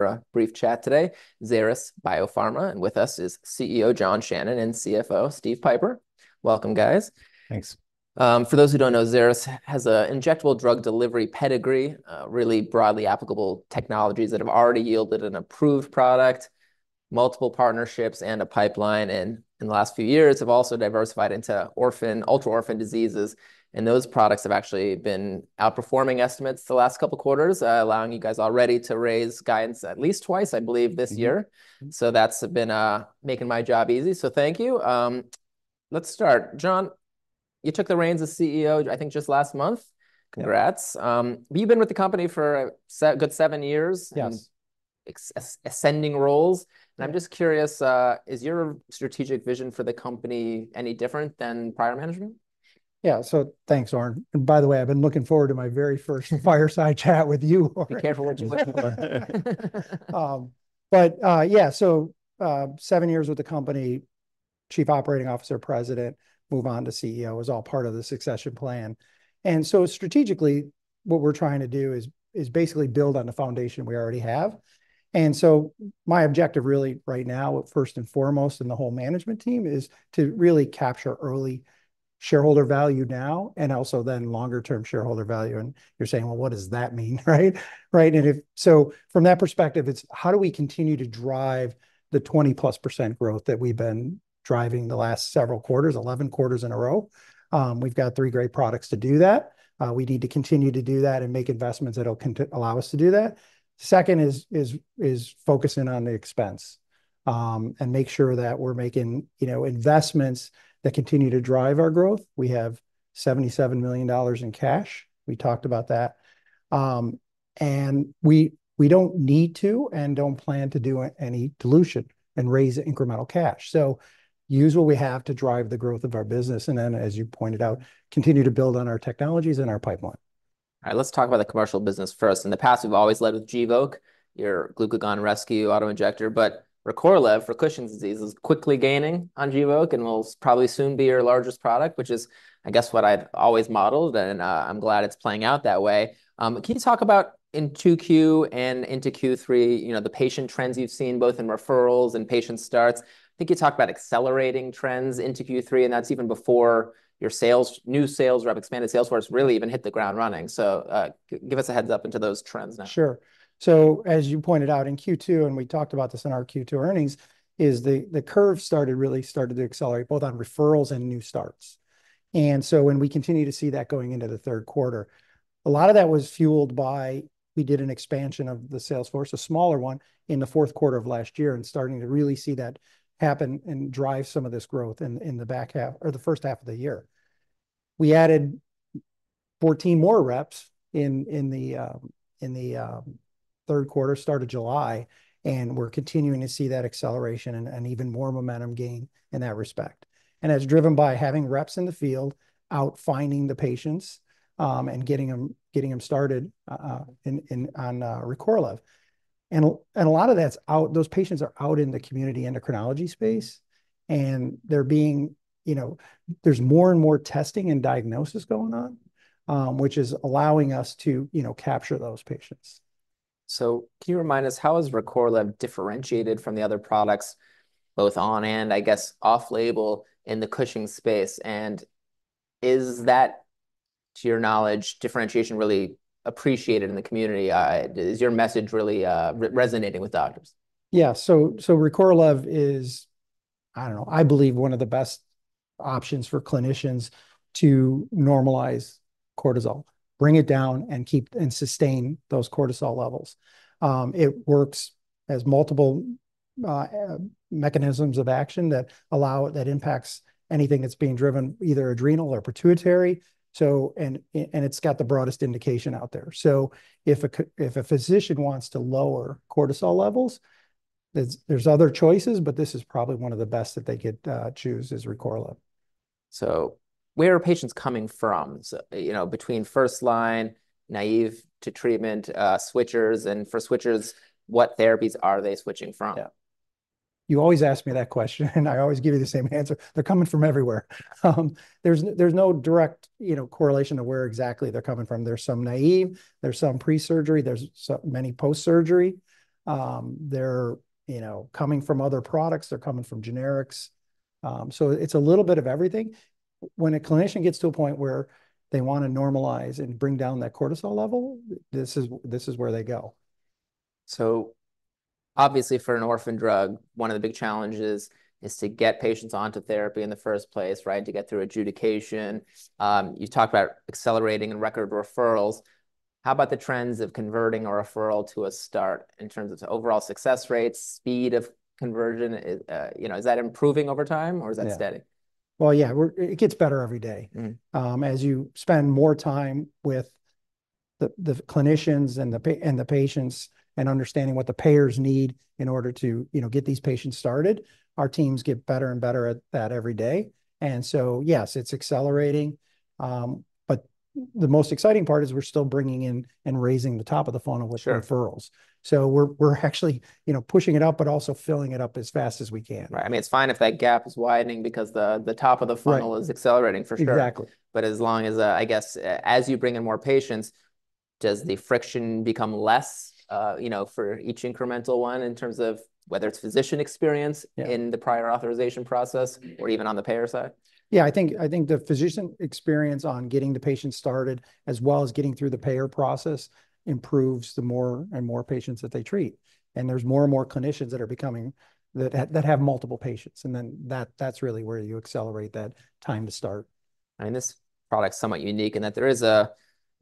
A brief chat today, Xeris Biopharma, and with us is CEO John Shannon and CFO Steve Pieper. Welcome, guys. Thanks. For those who don't know, Xeris has an injectable drug delivery pedigree, really broadly applicable technologies that have already yielded an approved product, multiple partnerships, and a pipeline, and in the last few years have also diversified into orphan, ultra-orphan diseases, and those products have actually been outperforming estimates the last couple quarters, allowing you guys already to raise guidance at least twice, I believe, this year. Mm-hmm, mm-hmm. So that's been making my job easy, so thank you. Let's start. John, you took the reins as CEO, I think, just last month. Yeah. Congrats. But you've been with the company for a good seven years- Yes... and ascending roles. Yeah. I'm just curious, is your strategic vision for the company any different than prior management? Yeah, so thanks, Oren, and by the way, I've been looking forward to my very first fireside chat with you, Oren. Be careful what you wish for. But yeah, so seven years with the company, Chief Operating Officer, President, move on to CEO is all part of the succession plan. So strategically, what we're trying to do is basically build on the foundation we already have. So my objective really right now, first and foremost, and the whole management team, is to really capture early shareholder value now and also then longer-term shareholder value. And you're saying, "Well, what does that mean?" Right? So from that perspective, it's how do we continue to drive the 20+% growth that we've been driving the last several quarters, 11 quarters in a row? We've got three great products to do that. We need to continue to do that and make investments that'll allow us to do that. Second is focusing on the expense, and make sure that we're making, you know, investments that continue to drive our growth. We have $77 million in cash. We talked about that. And we don't need to and don't plan to do any dilution and raise incremental cash. So use what we have to drive the growth of our business, and then, as you pointed out, continue to build on our technologies and our pipeline. All right, let's talk about the commercial business first. In the past, we've always led with Gvoke, your glucagon rescue auto-injector, but Recorlev for Cushing's disease is quickly gaining on Gvoke and will probably soon be your largest product, which is, I guess, what I've always modeled, and I'm glad it's playing out that way. Can you talk about in 2Q and into Q3, you know, the patient trends you've seen both in referrals and patient starts? I think you talked about accelerating trends into Q3, and that's even before your sales, new sales rep, expanded sales force really even hit the ground running. So, give us a heads-up into those trends now. Sure. So as you pointed out in Q2, and we talked about this in our Q2 earnings, the curve really started to accelerate, both on referrals and new starts. And so when we continue to see that going into the third quarter, a lot of that was fueled by, we did an expansion of the sales force, a smaller one, in the fourth quarter of last year, and starting to really see that happen and drive some of this growth in the back half, or the first half of the year. We added 14 more reps in the third quarter, start of July, and we're continuing to see that acceleration and even more momentum gain in that respect. That's driven by having reps in the field out finding the patients, and getting them started on Recorlev. A lot of that's out. Those patients are out in the community endocrinology space, and they're being. You know, there's more and more testing and diagnosis going on, which is allowing us to, you know, capture those patients. Can you remind us, how is Recorlev differentiated from the other products, both on and, I guess, off label in the Cushing's space? And is that, to your knowledge, differentiation really appreciated in the community? Is your message really resonating with doctors? Yeah, so Recorlev is, I don't know, I believe one of the best options for clinicians to normalize cortisol, bring it down, and keep and sustain those cortisol levels. It works, has multiple mechanisms of action that impacts anything that's being driven, either adrenal or pituitary, so, and it's got the broadest indication out there. So if a physician wants to lower cortisol levels, there's other choices, but this is probably one of the best that they could choose, is Recorlev. So where are patients coming from? So, you know, between first line, naive to treatment, switchers, and for switchers, what therapies are they switching from? Yeah. You always ask me that question, and I always give you the same answer. They're coming from everywhere. There's no direct, you know, correlation to where exactly they're coming from. There's some naive, there's some pre-surgery, there's so many post-surgery. They're, you know, coming from other products. They're coming from generics. So it's a little bit of everything. When a clinician gets to a point where they want to normalize and bring down that cortisol level, this is where they go. So obviously, for an orphan drug, one of the big challenges is to get patients onto therapy in the first place, right, to get through adjudication. You talk about accelerating and record referrals. How about the trends of converting a referral to a start in terms of the overall success rates, speed of conversion? You know, is that improving over time, or is that- Yeah... steady? Well, yeah, we're... It gets better every day. Mm. As you spend more time with the clinicians and the patients and understanding what the payers need in order to, you know, get these patients started, our teams get better and better at that every day. And so yes, it's accelerating. But the most exciting part is we're still bringing in and raising the top of the funnel- Sure... with referrals. So we're actually, you know, pushing it up, but also filling it up as fast as we can. Right. I mean, it's fine if that gap is widening because the top of the funnel- Right... is accelerating, for sure. Exactly. As you bring in more patients, does the friction become less, you know, for each incremental one in terms of whether it's physician experience- Yeah - in the prior authorization process, or even on the payer side? Yeah, I think the physician experience on getting the patient started, as well as getting through the payer process, improves the more and more patients that they treat. And there's more and more clinicians that are becoming that have multiple patients, and then that's really where you accelerate that time to start. This product's somewhat unique in that there is an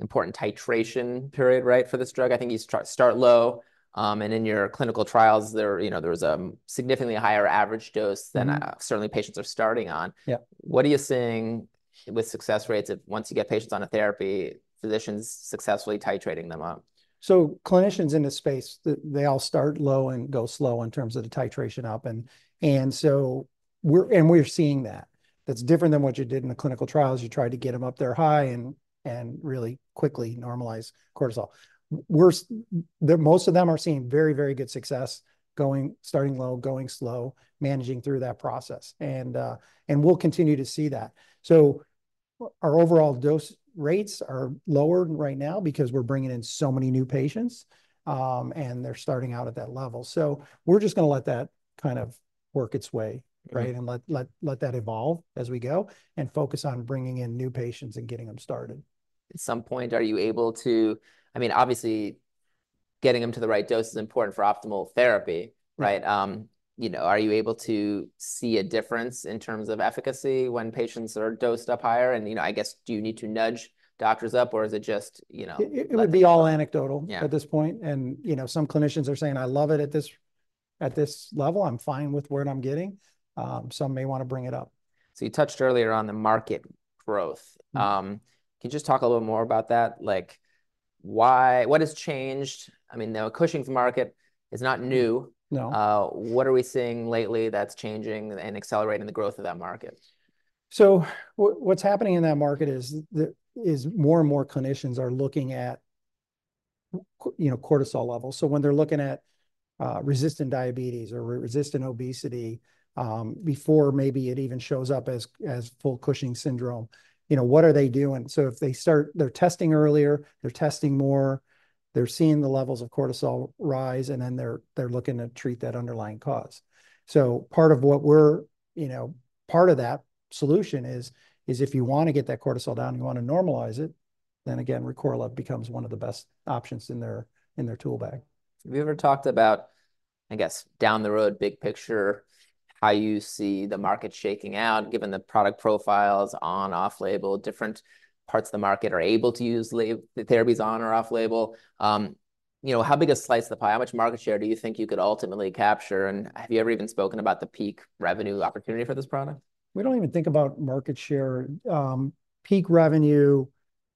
important titration period, right, for this drug. I think you start low, and in your clinical trials there, you know, there was a significantly higher average dose than- Mm... certainly patients are starting on. Yeah. What are you seeing with success rates if once you get patients on a therapy, physicians successfully titrating them up? So clinicians in this space, they all start low and go slow in terms of the titration up, and so we're seeing that, that's different than what you did in the clinical trials. You tried to get them up there high and really quickly normalize cortisol. We're seeing the most of them are seeing very, very good success, starting low, going slow, managing through that process, and we'll continue to see that, so our overall dose rates are lower right now because we're bringing in so many new patients, and they're starting out at that level. So we're just going to let that kind of work its way- Mm... right? And let that evolve as we go, and focus on bringing in new patients and getting them started. At some point, are you able to- I mean, obviously, getting them to the right dose is important for optimal therapy, right? Mm. You know, are you able to see a difference in terms of efficacy when patients are dosed up higher? And, you know, I guess, do you need to nudge doctors up, or is it just, you know, let- It would be all anecdotal- Yeah... at this point, and you know, some clinicians are saying, "I love it at this level. I'm fine with what I'm getting." Some may want to bring it up. So you touched earlier on the market growth. Mm. Can you just talk a little more about that? Like, why? What has changed? I mean, the Cushing's market is not new. No. What are we seeing lately that's changing and accelerating the growth of that market? So, what's happening in that market is more and more clinicians are looking at, you know, cortisol levels. So when they're looking at resistant diabetes or resistant obesity, before maybe it even shows up as full Cushing's syndrome, you know, what are they doing? So if they're testing earlier, they're testing more, they're seeing the levels of cortisol rise, and then they're looking to treat that underlying cause. So part of what we're doing, you know, part of that solution is if you want to get that cortisol down and you want to normalize it, then again, Recorlev becomes one of the best options in their tool bag. Have you ever talked about, I guess, down the road, big picture, how you see the market shaking out, given the product profiles on off-label, different parts of the market are able to use the therapies on or off label? You know, how big a slice of the pie, how much market share do you think you could ultimately capture, and have you ever even spoken about the peak revenue opportunity for this product? We don't even think about market share. Peak revenue,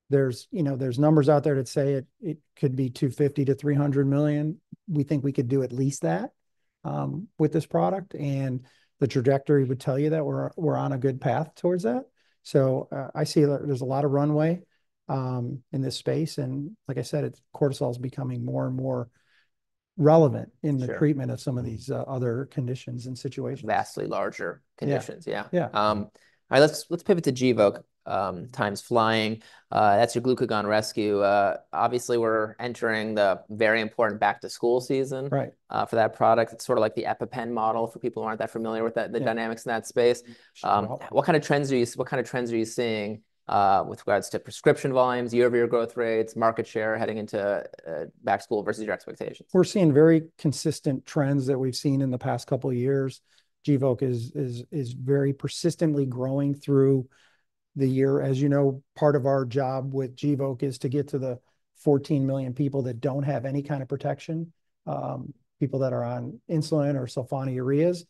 there's, you know, there's numbers out there that say it could be $250-$300 million. We think we could do at least that with this product, and the trajectory would tell you that we're on a good path towards that. So I see there, there's a lot of runway in this space, and like I said, it's cortisol is becoming more and more relevant. Sure... in the treatment of some of these, other conditions and situations. Vastly larger conditions. Yeah. Yeah. Yeah. All right, let's pivot to Gvoke. Time's flying. That's your glucagon rescue. Obviously, we're entering the very important back to school season. Right... for that product. It's sort of like the EpiPen model for people who aren't that familiar with the- Yeah... the dynamics in that space. Sure. What kind of trends are you seeing with regards to prescription volumes, year-over-year growth rates, market share heading into back to school versus your expectations? We're seeing very consistent trends that we've seen in the past couple of years. Gvoke is very persistently growing through the year. As you know, part of our job with Gvoke is to get to the 14 million people that don't have any kind of protection, people that are on insulin or sulfonylureas,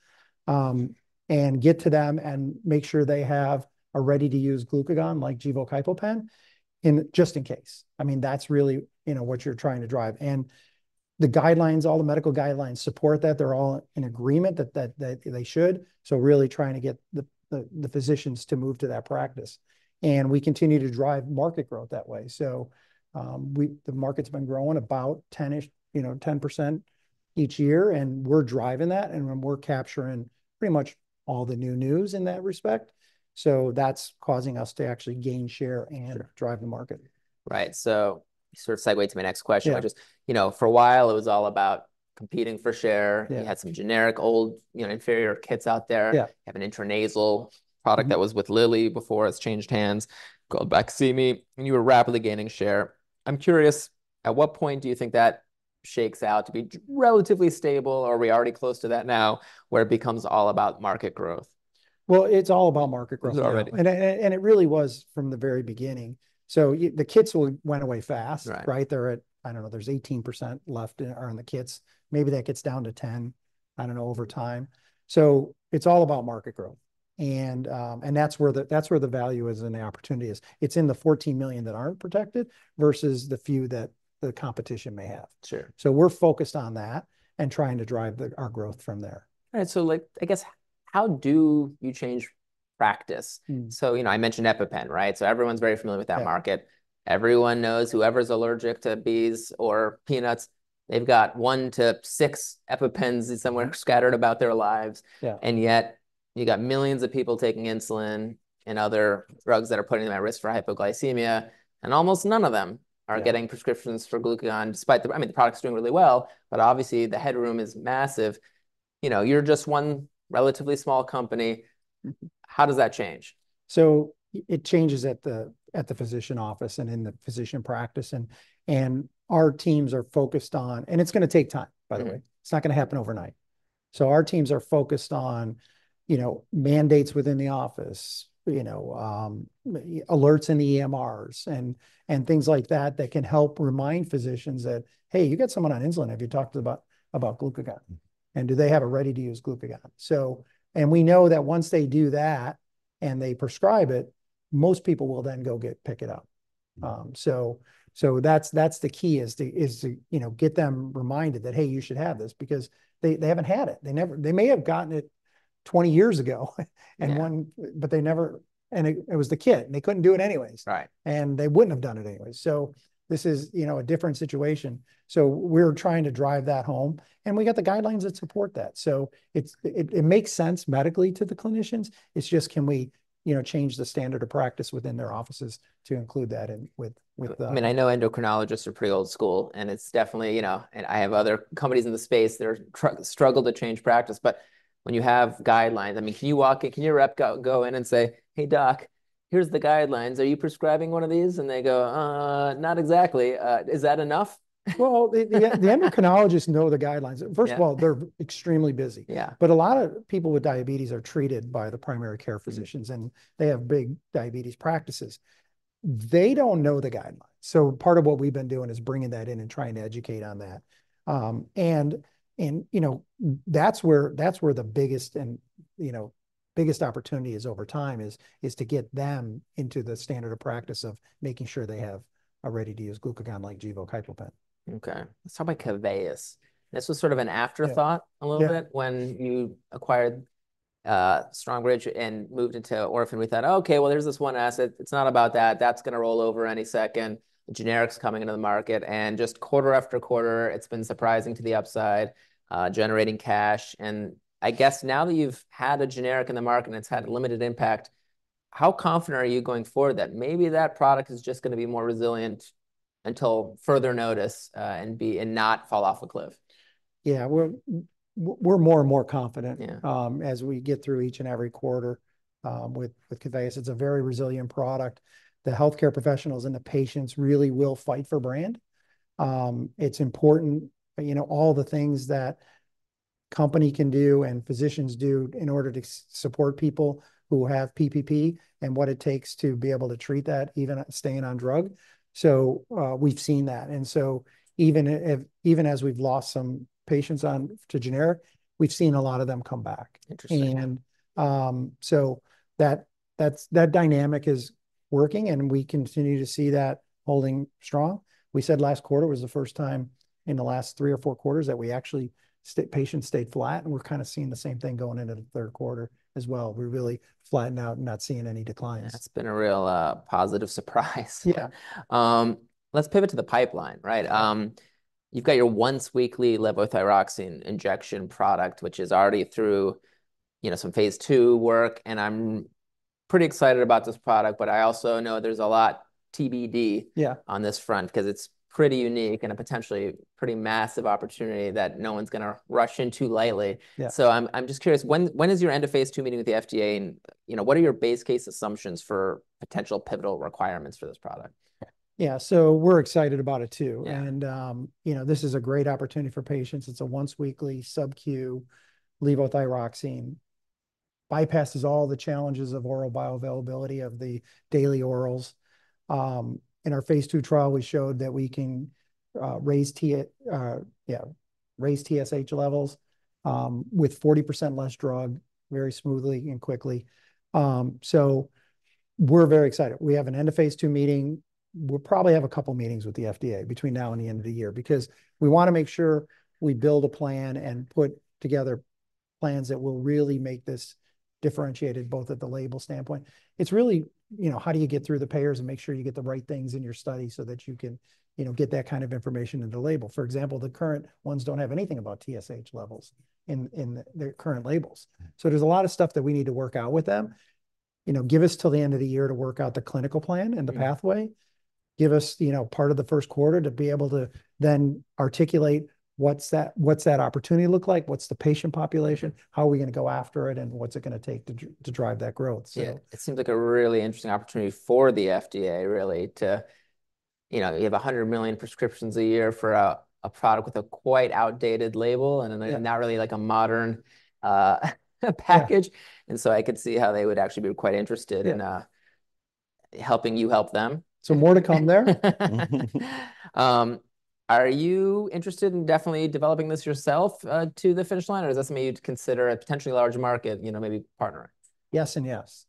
and get to them and make sure they have a ready-to-use glucagon, like Gvoke HypoPen, just in case. I mean, that's really, you know, what you're trying to drive. And the guidelines, all the medical guidelines support that. They're all in agreement that they should, so really trying to get the physicians to move to that practice. And we continue to drive market growth that way. So, the market's been growing about 10-ish, you know, 10% each year, and we're driving that, and we're capturing pretty much all the new news in that respect. So that's causing us to actually gain share- Sure... and drive the market. Right. So sort of segue to my next question. Yeah. Which is, you know, for a while, it was all about competing for share. Yeah. You had some generic old, you know, inferior kits out there. Yeah. You have an intranasal product- Mm... that was with Lilly before it's changed hands, called Baqsimi, and you were rapidly gaining share. I'm curious, at what point do you think that shakes out to be relatively stable, or are we already close to that now, where it becomes all about market growth? It's all about market growth- Already... and it really was from the very beginning. So the kits went away fast. Right. Right? They're at... I don't know, there's 18% left in, are in the kits. Maybe that gets down to 10%, I don't know, over time. So it's all about market growth, and, and that's where the, that's where the value is and the opportunity is. It's in the 14 million that aren't protected versus the few that the competition may have. Sure. So we're focused on that and trying to drive our growth from there. Right. So, like, I guess, how do you change practice? Mm. So, you know, I mentioned EpiPen, right? So everyone's very familiar with that market. Yeah. Everyone knows whoever's allergic to bees or peanuts, they've got one to six EpiPens somewhere. Right... scattered about their lives. Yeah. You got millions of people taking insulin and other drugs that are putting them at risk for hypoglycemia, and almost none of them are getting- Yeah Prescriptions for glucagon, despite—I mean, the product's doing really well, but obviously the headroom is massive. You know, you're just one relatively small company. How does that change? It changes at the physician office and in the physician practice, and our teams are focused on... It's gonna take time, by the way. Mm. It's not gonna happen overnight. So our teams are focused on, you know, mandates within the office, you know, alerts in the EMRs, and things like that that can help remind physicians that, "Hey, you got someone on insulin. Have you talked about glucagon? And do they have a ready-to-use glucagon?" So we know that once they do that, and they prescribe it, most people will then go pick it up. Mm. So that's the key, is to you know get them reminded that, "Hey, you should have this," because they haven't had it. They never... They may have gotten it 20 years ago and when- Yeah... but they never, and it was the kit, and they couldn't do it anyways. Right. And they wouldn't have done it anyways. So this is, you know, a different situation. So we're trying to drive that home, and we got the guidelines that support that. So it makes sense medically to the clinicians. It's just, can we, you know, change the standard of practice within their offices to include that in with I mean, I know endocrinologists are pretty old school, and it's definitely, you know. And I have other companies in the space that are struggle to change practice. But when you have guidelines, I mean, can you walk. Can your rep go in and say, "Hey, Doc, here's the guidelines. Are you prescribing one of these?" And they go, "not exactly." Is that enough? The endocrinologists know the guidelines. Yeah. First of all, they're extremely busy. Yeah. But a lot of people with diabetes are treated by the primary care physicians, and they have big diabetes practices. They don't know the guidelines, so part of what we've been doing is bringing that in and trying to educate on that. And, you know, that's where the biggest opportunity is over time, to get them into the standard of practice of making sure they have a ready-to-use glucagon, like Gvoke HypoPen. Okay. Let's talk about Keveyis. This was sort of an afterthought- Yeah... a little bit when you acquired Strongbridge and moved into orphan. We thought, "Okay, well, there's this one asset. It's not about that. That's gonna roll over any second, generics coming into the market." And just quarter after quarter, it's been surprising to the upside, generating cash. And I guess now that you've had a generic in the market, and it's had limited impact, how confident are you going forward that maybe that product is just gonna be more resilient until further notice, and not fall off a cliff? Yeah, we're more and more confident- Yeah... as we get through each and every quarter, with KEVEYIS. It's a very resilient product. The healthcare professionals and the patients really will fight for brand. It's important, you know, all the things that company can do and physicians do in order to support people who have PPP, and what it takes to be able to treat that, even staying on drug. So, we've seen that. And so even if, even as we've lost some patients on to generic, we've seen a lot of them come back. Interesting. And, so that dynamic is working, and we continue to see that holding strong. We said last quarter was the first time in the last three or four quarters that we actually patients stayed flat, and we're kind of seeing the same thing going into the third quarter as well. We're really flattening out and not seeing any declines. That's been a real positive surprise. Yeah. Let's pivot to the pipeline, right? You've got your once-weekly levothyroxine injection product, which is already through, you know, some phase II work, and I'm pretty excited about this product. But I also know there's a lot TBD- Yeah... on this front, 'cause it's pretty unique and a potentially pretty massive opportunity that no one's gonna rush into lightly. Yeah. So I'm just curious, when is your end of phase II meeting with the FDA, and, you know, what are your base case assumptions for potential pivotal requirements for this product? Yeah, so we're excited about it, too. Yeah. You know, this is a great opportunity for patients. It's a once-weekly subQ levothyroxine, bypasses all the challenges of oral bioavailability of the daily orals. In our phase II trial, we showed that we can raise TSH levels with 40% less drug, very smoothly and quickly. So we're very excited. We have an end of phase II meeting. We'll probably have a couple meetings with the FDA between now and the end of the year, because we wanna make sure we build a plan and put together plans that will really make this differentiated, both at the label standpoint. It's really, you know, how do you get through the payers and make sure you get the right things in your study so that you can, you know, get that kind of information in the label? For example, the current ones don't have anything about TSH levels in their current labels. Mm. So there's a lot of stuff that we need to work out with them. You know, give us till the end of the year to work out the clinical plan- Yeah... and the pathway. Give us, you know, part of the first quarter to be able to then articulate what's that, what's that opportunity look like? What's the patient population? How are we gonna go after it, and what's it gonna take to drive that growth? So- Yeah, it seems like a really interesting opportunity for the FDA, really, to, you know, you have 100 million prescriptions a year for a product with a quite outdated label, and- Yeah... not really, like, a modern package. Yeah. And so I could see how they would actually be quite interested in- Yeah... helping you help them. So more to come there. Are you interested in definitely developing this yourself, to the finish line, or is this maybe to consider a potentially larger market, you know, maybe partnering? Yes and yes.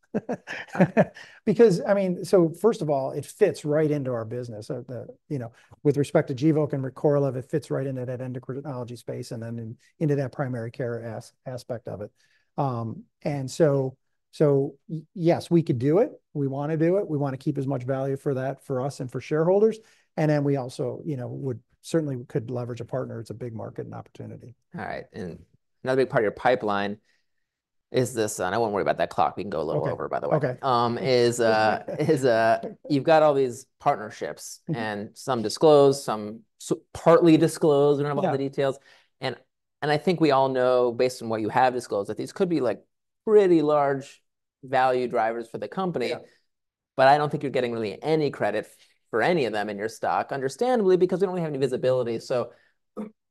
Because, I mean, so first of all, it fits right into our business. The, you know, with respect to Gvoke and Recorlev, it fits right into that endocrinology space, and then into that primary care aspect of it. So yes, we could do it. We want to do it. We want to keep as much value for that for us and for shareholders, and then we also, you know, would certainly could leverage a partner. It's a big market and opportunity. All right, and another big part of your pipeline is this, and I won't worry about that clock. We can go a little over, by the way. Okay. Okay. You've got all these partnerships- Mm-hmm. and some disclosed, some partly disclosed. We don't have all the details. Yeah. I think we all know, based on what you have disclosed, that these could be, like, pretty large value drivers for the company. Yeah. But I don't think you're getting really any credit for any of them in your stock, understandably, because we don't have any visibility. So,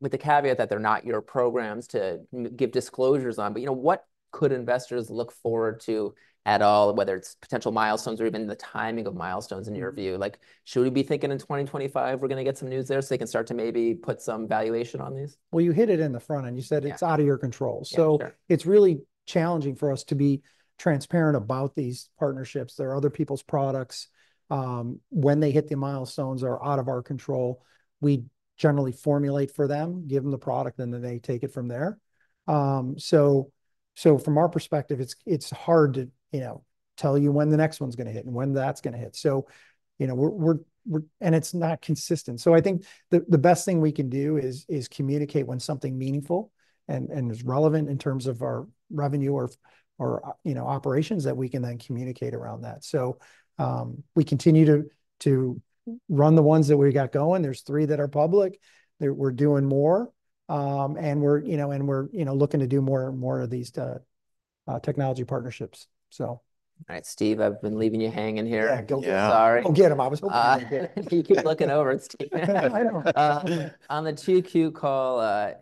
with the caveat that they're not your programs to give disclosures on, but, you know, what could investors look forward to at all, whether it's potential milestones or even the timing of milestones, in your view? Mm. Like, should we be thinking in 2025 we're gonna get some news there, so they can start to maybe put some valuation on these? You hit it in the front end. Yeah. You said it's out of your control. Yeah, sure. So it's really challenging for us to be transparent about these partnerships. They're other people's products. When they hit the milestones are out of our control. We generally formulate for them, give them the product, and then they take it from there. So from our perspective, it's hard to, you know, tell you when the next one's gonna hit and when that's gonna hit. So, you know, we're, and it's not consistent. So I think the best thing we can do is communicate when something meaningful and is relevant in terms of our revenue or, you know, operations, that we can then communicate around that. So we continue to run the ones that we've got going. There's three that are public. We're doing more, and we're, you know, looking to do more of these technology partnerships, so. All right. Steve, I've been leaving you hanging here. Yeah, go- Yeah. Sorry. Go get him. I was hoping you'd get him. You keep looking over at Steve. I know. On the 2Q call, I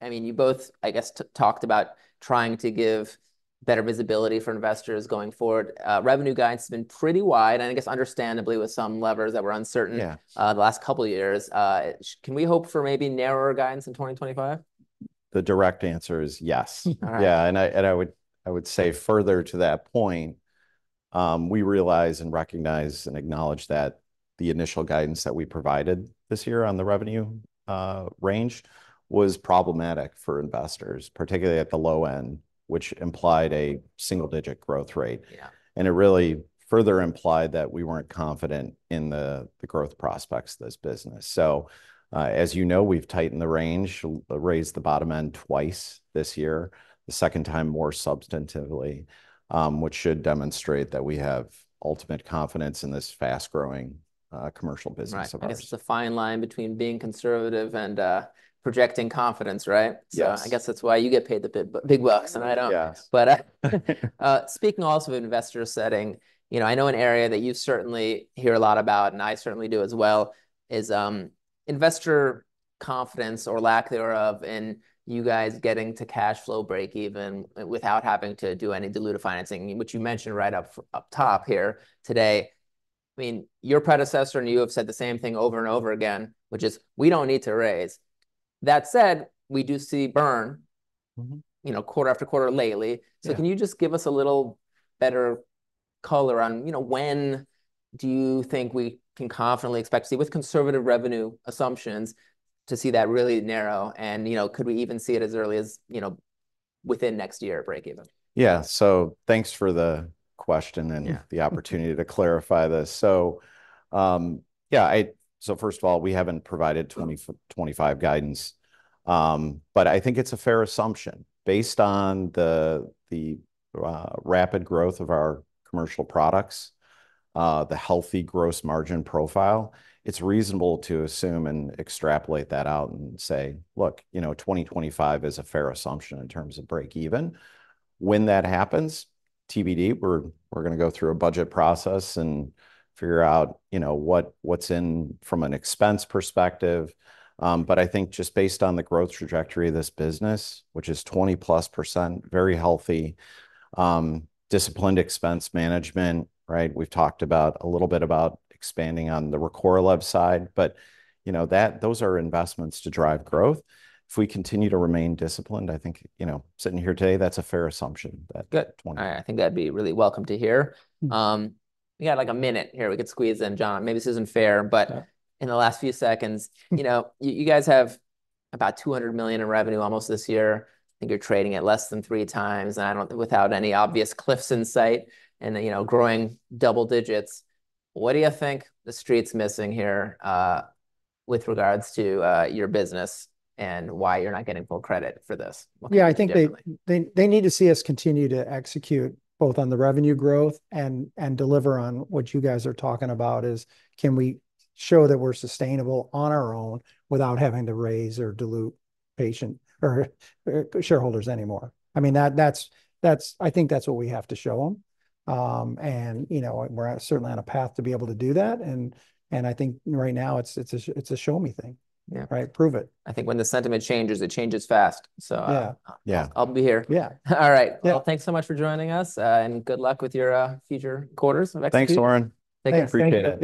mean, you both, I guess, talked about trying to give better visibility for investors going forward. Revenue guidance has been pretty wide, and I guess understandably, with some levers that were uncertain. Yeah... the last couple of years. Can we hope for maybe narrower guidance in 2025? The direct answer is yes. All right. Yeah, and I would say further to that point, we realize, and recognize, and acknowledge that the initial guidance that we provided this year on the revenue range was problematic for investors, particularly at the low end, which implied a single-digit growth rate. Yeah. It really further implied that we weren't confident in the growth prospects of this business. As you know, we've tightened the range, raised the bottom end twice this year, the second time more substantively, which should demonstrate that we have ultimate confidence in this fast-growing commercial business of ours. Right. I guess it's a fine line between being conservative and projecting confidence, right? Yes. So I guess that's why you get paid the big bucks, and I don't. Yes. But, speaking also of investor sentiment, you know, I know an area that you certainly hear a lot about, and I certainly do as well, is investor confidence, or lack thereof, in you guys getting to cash flow breakeven without having to do any dilutive financing, which you mentioned right up top here today. I mean, your predecessor and you have said the same thing over and over again, which is, "We don't need to raise." That said, we do see burn- Mm-hmm.... you know, quarter after quarter lately. Yeah. Can you just give us a little better color on, you know, when do you think we can confidently expect to see, with conservative revenue assumptions, to see that really narrow, and, you know, could we even see it as early as, you know, within next year, breakeven? Yeah. So thanks for the question- Yeah... and the opportunity to clarify this. So, yeah, so first of all, we haven't provided 2025 guidance, but I think it's a fair assumption. Based on the, the, rapid growth of our commercial products, the healthy gross margin profile, it's reasonable to assume and extrapolate that out and say, "Look, you know, 2025 is a fair assumption in terms of breakeven." When that happens, TBD, we're, we're gonna go through a budget process and figure out, you know, what, what's in from an expense perspective. But I think just based on the growth trajectory of this business, which is 20%, very healthy, disciplined expense management, right? We've talked about, a little bit about expanding on the Recorlev side, but, you know, that, those are investments to drive growth. If we continue to remain disciplined, I think, you know, sitting here today, that's a fair assumption, that 20- Good. I think that'd be really welcome to hear. Mm. We got, like, a minute here we could squeeze in, John. Maybe this isn't fair, but- Yeah... in the last few seconds, you know, you guys have about $200 million in revenue almost this year, and you're trading at less than three times, and I don't without any obvious cliffs in sight, and, you know, growing double digits. What do you think the Street's missing here, with regards to your business and why you're not getting full credit for this, looking at it differently? Yeah, I think they need to see us continue to execute, both on the revenue growth and deliver on what you guys are talking about, is can we show that we're sustainable on our own without having to raise or dilute patience of shareholders anymore? I mean, that's what we have to show them. You know, we're certainly on a path to be able to do that, and I think right now it's a show-me thing. Yeah. Right? Prove it. I think when the sentiment changes, it changes fast, so. Yeah. Yeah... I'll be here. Yeah. All right. Yeah. Thanks so much for joining us, and good luck with your future quarters next week. Thanks, Oren. Take care. Appreciate it.